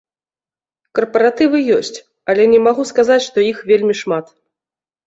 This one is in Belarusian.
Карпаратывы ёсць, але не магу сказаць, што іх вельмі шмат.